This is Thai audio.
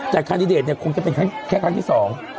แต่คันดิเดตเนี่ยคงจะเป็นแค่ครั้งที่สอง